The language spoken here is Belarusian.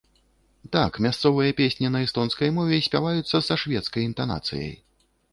Так, мясцовыя песні на эстонскай мове спяваюцца са шведскай інтанацыяй.